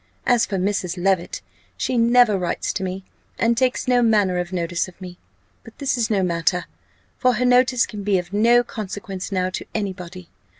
As for Mrs. Levit, she never writes to me, and takes no manner of notice of me. But this is no matter, for her notice can be of no consequence now to any body.